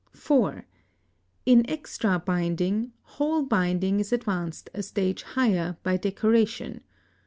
(4) In extra binding, whole binding is advanced a stage higher by decoration.